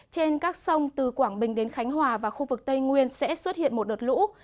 trên các sông từ quảng bình đến khánh hòa và khu vực tây nguyên sẽ xuất hiện một đợt lũ